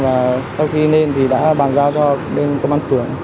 và sau khi lên thì đã bàn giao cho bên công an phường